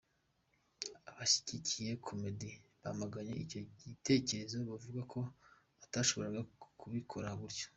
Abashyigikiye Comey bamaganye icyo gitekerezo bavuga ko atashoboraga kubikora gutyo.